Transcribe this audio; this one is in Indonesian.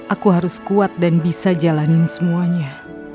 aku harus kuat dan bisa jalanin semuanya